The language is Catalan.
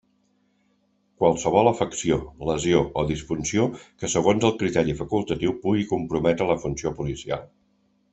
Qualsevol afecció, lesió o disfunció que segons el criteri facultatiu pugui comprometre la funció policial.